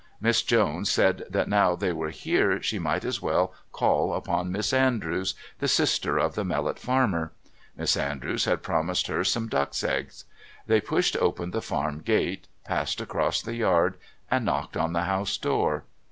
Miss Jones said that now they were here she might as well call upon Miss Andrews, the sister of the Mellot farmer. Miss Andrews had promised her some ducks' eggs. They pushed open the farm gate, passed across the yard and knocked on the house door.